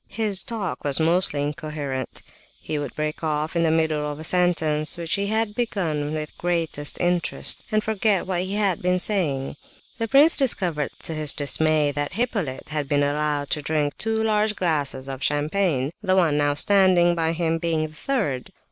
His talk was almost incoherent; he would break off in the middle of a sentence which he had begun with great interest, and forget what he had been saying. The prince discovered to his dismay that Hippolyte had been allowed to drink two large glasses of champagne; the one now standing by him being the third.